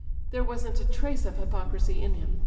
There wasn't a trace of hypocrisy in him.